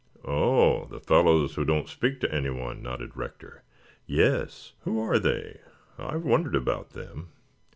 "Oh, the fellows who don't speak to anyone?" nodded Rector. "Yes." "Who are they? I have wondered about them."